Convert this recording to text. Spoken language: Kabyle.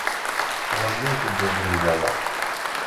Ɣellint-d deg nndama.